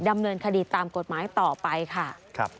ดำเนินคดีตามกฎหมายต่อไปค่ะ